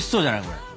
これ。